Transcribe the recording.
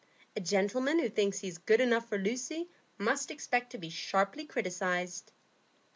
"A gentleman who thinks he is good enough for Lucy must expect to be sharply criticised."